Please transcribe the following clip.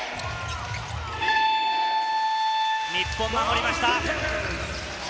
日本、守りました。